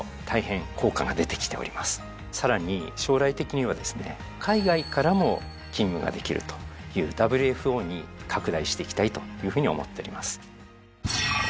さらに将来的にはですね海外からも勤務ができるというＷＦＯに拡大していきたいというふうに思っております。